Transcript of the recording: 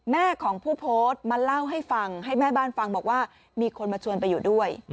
แม่ของผู้โพสต์มาเล่าให้ฟังให้แม่บ้านฟังบอกว่ามีคนมาชวนไปอยู่ด้วย